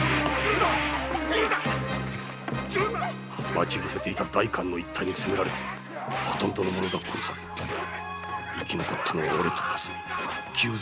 待ち伏せていた代官の一隊に攻められてほとんどの者が殺され生き残ったのはおれとかすみ九蔵と弥市の四人だけだった。